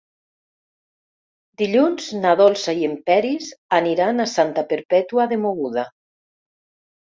Dilluns na Dolça i en Peris aniran a Santa Perpètua de Mogoda.